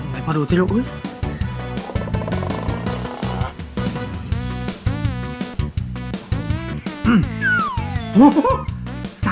ไหนพอดูซิลูก